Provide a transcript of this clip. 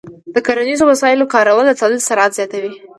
د کرنیزو وسایلو کارول د تولید سرعت زیاتوي.